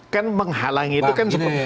kan menghalangi itu kan